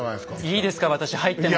いいですか私入っても。